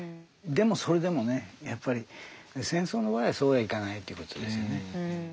でもそれでもねやっぱり戦争の場合はそうはいかないということですよね。